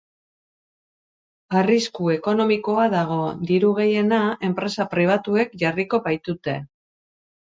Arrisku ekonomikoa dago, diru gehiena enpresa pribatuek jarriko baitute.